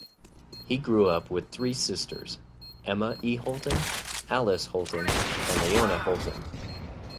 He grew up with three sisters: Emma E. Holton, Alice Holton and Leona Holton.